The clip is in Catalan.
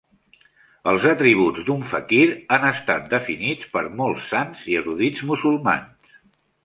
Els atributs d'un faquir han estat definits per molts sants i erudits musulmans.